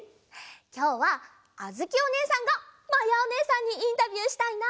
きょうはあづきおねえさんがまやおねえさんにインタビューしたいな！